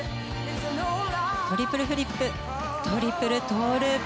トリプルフリップトリプルトウループ。